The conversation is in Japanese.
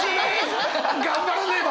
頑張らねば！